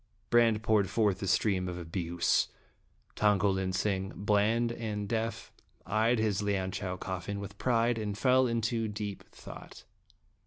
Brande poured forth a stream of abuse. Tong ko lin sing, bland and deaf, eyed his Lianchau coffin with pride, and fell into deep thought.